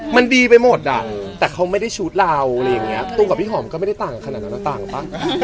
มันดีไปหมดอะแต่เขาไม่ได้ชุดเราตุ้มกับพี่หอมก็ไม่ได้ต่างขนาดนั้นนะต่างปะ